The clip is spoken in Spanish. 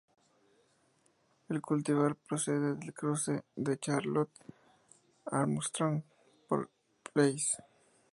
El cultivar procede del cruce de 'Charlotte Armstrong' x 'Peace'.